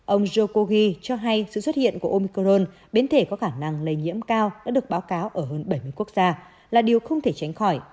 ông jokogi cho hay sự xuất hiện của omcron biến thể có khả năng lây nhiễm cao đã được báo cáo ở hơn bảy mươi quốc gia là điều không thể tránh khỏi